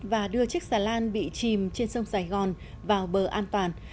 và đưa chiếc xà lan bị chìm trên sông sài gòn vào bờ an toàn